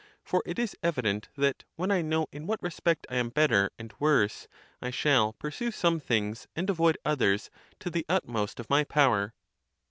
For it is evident that, when I know in what respect Iam better and worse, I shall pursue some things, and avoid others, to the utmost of my power.